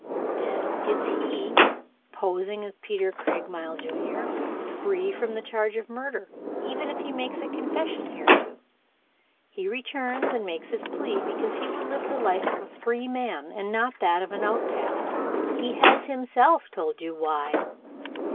Then is he, posing as Peter Craigmile, Jr., free from the charge of murder even if he makes confession thereto. He returns and makes this plea because he would live the life of a free man and not that of an outcast. He has himself told you why.